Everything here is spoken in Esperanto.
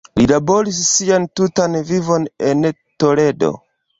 Li laboris sian tutan vivon en Toledo.